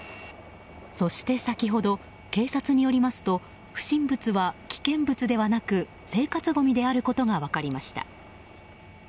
そして、先ほど警察によりますと不審物は危険物ではなく生活ごみであることが分かりました。